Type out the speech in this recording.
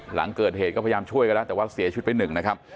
หลังเกิดเหตุก็พยายามช่วยกันแล้วแต่ว่าเสียชีวิตไปหนึ่งนะครับ